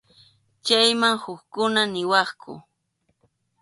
Chayman hukkuna niwaqku.